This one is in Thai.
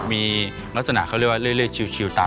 ไม่ได้เมียใช่ป่ะ